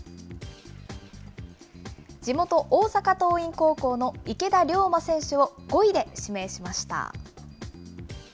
地元、大阪桐蔭高校の池田陵真選手を５位で指名しました。